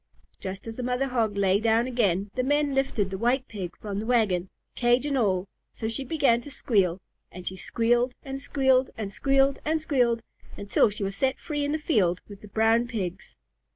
Just as the Mother Hog lay down again, the men lifted the White Pig from the wagon, cage and all, so she began to squeal, and she squealed and squealed and squealed and squealed until she was set free in the field with the Brown Pigs.